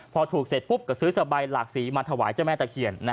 พอถูกเสร็จปุ๊บก็ซื้อสบายหลากสีมาถวายเจ้าแม่ตะเคียน